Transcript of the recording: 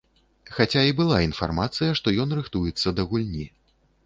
Хаця і была інфармацыя, што ён рыхтуецца да гульні.